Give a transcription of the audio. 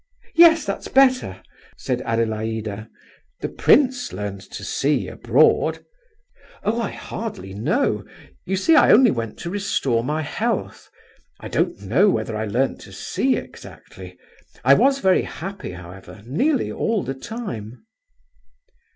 "Yes, that's better," said Adelaida; "the prince learned to see abroad." "Oh, I hardly know! You see, I only went to restore my health. I don't know whether I learned to see, exactly. I was very happy, however, nearly all the time."